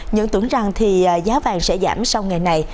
nhận tưởng rằng giá vàng sẽ giảm sau ngày này